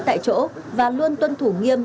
tại chỗ và luôn tuân thủ nghiêm